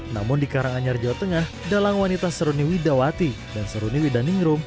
namun di karanganyar jawa tengah dalang wanita seruni widawati dan seruni widaningrum